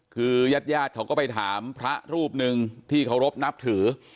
คือยาดเขาก็ไปถามพระรูปหนึ่งที่เขารบนับถือ